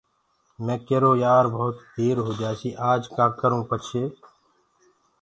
مي ڪيرو يآر ڀوتَ دير هوجآسي آج ڪآ ڪرونٚ پڇي